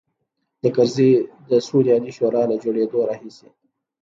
د کرزي د سولې عالي شورا له جوړېدلو راهیسې.